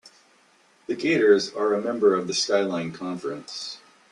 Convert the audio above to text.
The Gators are a member of the Skyline Conference.